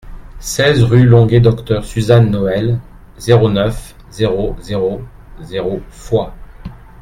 seize rue Longué Docteur Suzanne Noël, zéro neuf, zéro zéro zéro Foix